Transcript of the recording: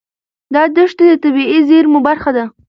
دا دښتې د طبیعي زیرمو برخه ده.